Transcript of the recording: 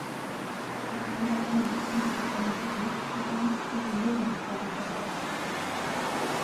Die Einwanderer lebten wie in einem Kibbuz zusammen, isolierten sich dadurch aber auch.